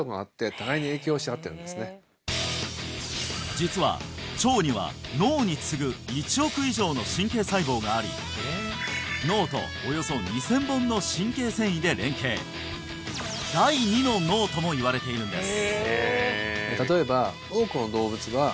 実は腸には脳に次ぐ１億以上の神経細胞があり脳とおよそ２０００本の神経線維で連携ともいわれているんです